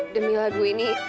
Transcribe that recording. demi lagu ini